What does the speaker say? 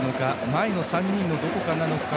前の３人のどこかなのか。